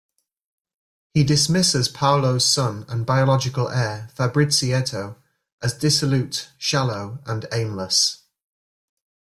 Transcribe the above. He dismisses Paolo's son and biological heir, Fabrizietto as dissolute, shallow, and aimless.